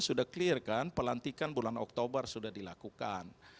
sudah clear kan pelantikan bulan oktober sudah dilakukan